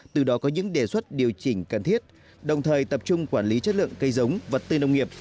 từ đó có những đề xuất điều chỉnh cần thiết đồng thời tập trung quản lý chất lượng cây giống vật tư nông nghiệp